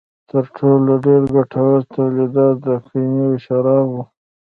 تر ټولو ډېر ګټور تولیدات د ګنیو شراب و.